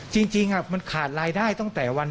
จริงมันขาดรายได้ตั้งแต่วัน